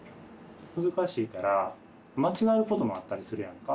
難しいから間違うこともあったりするやんか？